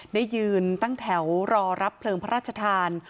ได้ยืนตั้งแถวรอรับเพลิงพระราชทาน